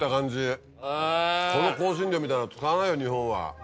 この香辛料みたいの使わないよ日本は。